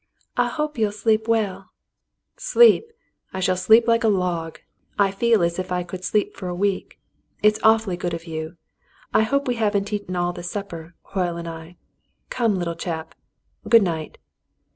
"I hope you'll sleep well —"" Sleep .^ I shall sleep like a log. I feel as if I could sleep for a week. It's awfully good of you. I hope we haven't eaten all the supper, Hoyle and I. Come, little chap. Good night."